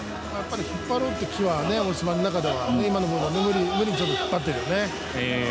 やっぱり引っ張ろうという気は、大島の中では今のボール、上に引っ張っているよね。